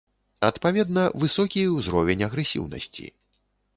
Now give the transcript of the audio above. Адпаведна, высокі і ўзровень агрэсіўнасці.